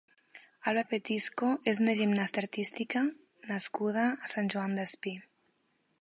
Alba Petisco és una gimnasta artística nascuda a Sant Joan Despí.